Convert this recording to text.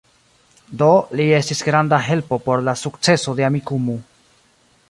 Do, li estis granda helpo por la sukceso de Amikumu